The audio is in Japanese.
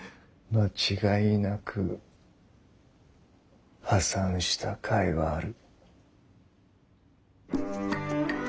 間違いなく「破産」したかいはある。